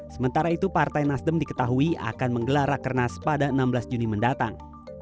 sementara itu partai nasdem diketahui akan menggelar rakernas pada enam belas juni mendatang